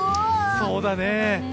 そうだね。